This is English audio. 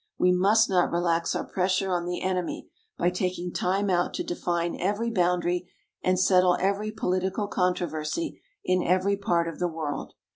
We must not relax our pressure on the enemy by taking time out to define every boundary and settle every political controversy in every part of the world.